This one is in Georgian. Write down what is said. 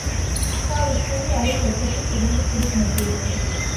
შავი ქვრივი არის ერთ-ერთი პირველი შურისმაძიებელი.